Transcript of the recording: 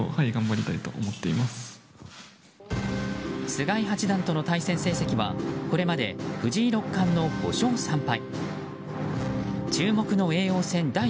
菅井八段との対戦成績はこれまで藤井六冠の５勝３敗。